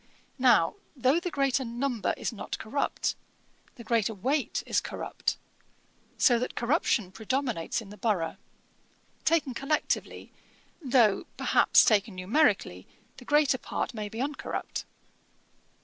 Now though the greater number is not corrupt, the greater weight is corrupt, so that corruption predominates in the borough, taken collectively, though, perhaps, taken numerically, the greater part may be uncorrupt.